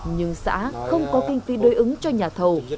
nhưng xã không có kinh phí đối ứng cho nhà thầu